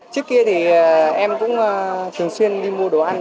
trước kia thì em cũng thường xuyên đi mua đồ ăn